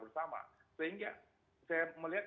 bersama sehingga saya melihat